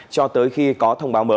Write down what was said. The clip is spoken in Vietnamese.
cho tới khi có thông báo mới